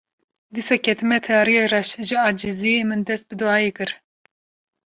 Dîsa ketime tariya reş, ji eciziyê min dest bi duayê kir